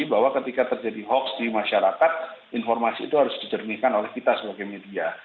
bahwa ketika terjadi hoax di masyarakat informasi itu harus dijernihkan oleh kita sebagai media